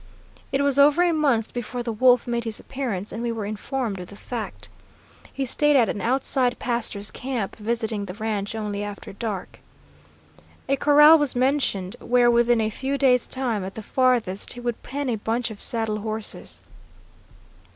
"It was over a month before the wolf made his appearance, and we were informed of the fact. He stayed at an outside pastor's camp, visiting the ranch only after dark. A corral was mentioned, where within a few days' time, at the farthest, he would pen a bunch of saddle horses.